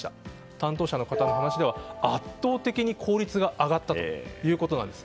担当者の方の話では圧倒的に効率が上がったということなんです。